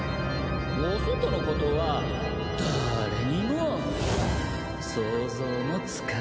お外のことは誰にも想像もつかない。